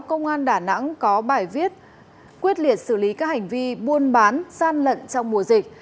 công an đà nẵng có bài viết quyết liệt xử lý các hành vi buôn bán gian lận trong mùa dịch